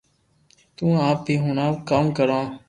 تو آپ ھي ھڻاو ڪاو ڪرو